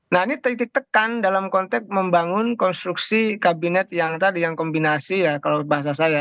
nah ini titik tekan dalam konteks membangun konstruksi kabinet yang tadi yang kombinasi ya kalau bahasa saya